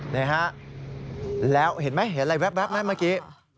นะฮะแล้วเห็นไหมเห็นอะไรแว๊บแว๊บแว๊บแว๊บเมื่อกี้